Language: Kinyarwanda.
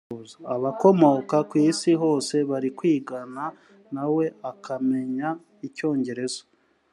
abakomoka ku isi hose bari kwigana nawe akamenya icyongereza